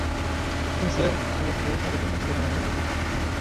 নতুন স্কেলের আগে থেকে তাঁদের জন্য ছিল নানা ধরনের অতিরিক্ত আর্থিক সুবিধাও।